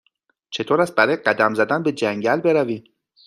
چطور است برای قدم زدن به جنگل برویم؟